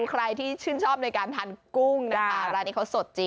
คือทำให้ดูแล